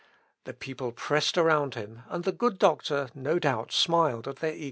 " The people pressed around him, and the good doctor, no doubt smiled at their eagerness.